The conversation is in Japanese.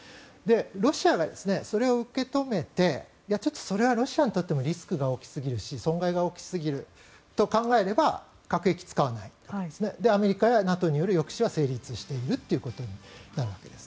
ロシアがそれを受け止めてちょっとそれはロシアにとってもリスクが大きすぎるし損害が大きすぎると考えれば核兵器は使わないアメリカやＮＡＴＯによる抑止は成立しているということになるわけです。